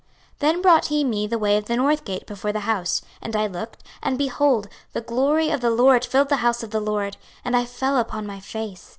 26:044:004 Then brought he me the way of the north gate before the house: and I looked, and, behold, the glory of the LORD filled the house of the LORD: and I fell upon my face.